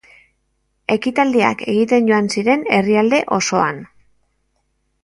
Ekitaldiak egiten joan ziren herrialde osoan.